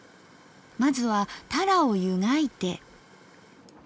まずはタラを湯がいて。